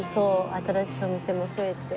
新しいお店も増えて。